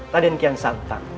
raden kian santang